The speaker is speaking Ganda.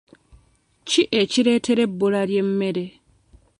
Ki ekireeta ebbula ly'emmere?